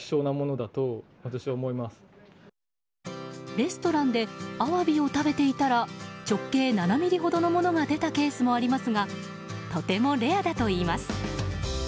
レストランでアワビを食べていたら直径７ｍｍほどのものが出たケースもありますがとてもレアだといいます。